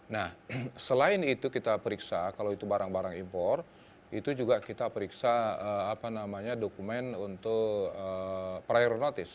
nah selain itu kita periksa kalau itu barang barang impor itu juga kita periksa dokumen untuk prionotis